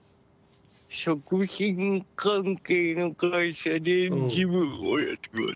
食品関係の会社で事務をやってます。